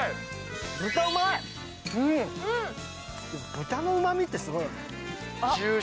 豚のうまみってすごい。